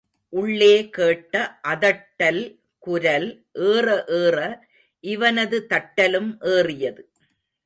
உள்ளே கேட்ட அதட்டல் குரல் ஏற ஏற இவனது தட்டலும் ஏறியது.